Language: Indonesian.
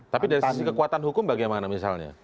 tapi dari sisi kekuatan hukum bagaimana misalnya